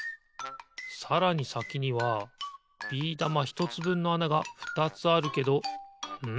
さらにさきにはビー玉ひとつぶんのあながふたつあるけどん？